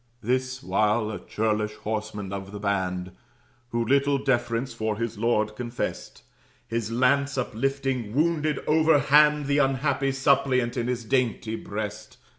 This while, a churlish horseman of the band, Who little deference for his lord confest, His lance uplifting, wounded overhand The unhappy suppliant in his dainty breast.